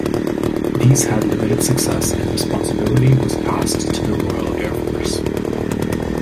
These had limited success and responsibility was passed to the Royal Air Force.